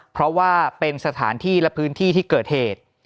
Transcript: เพราะว่าเป็นสถานที่และพื้นที่ที่เกิดเหตุ